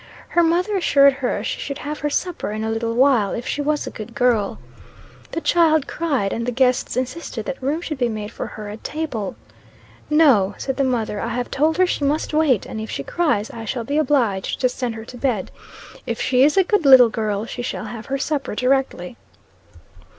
Her mother assured her she should have her supper in a little while, if she was a good girl. The child cried; and the guests insisted that room should be made for her at table. 'No,' said the mother; 'I have told her she must wait; and if she cries, I shall be obliged to send her to bed. If she is a good little girl, she shall have her supper directly.'